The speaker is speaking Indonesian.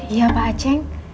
iya pak ceng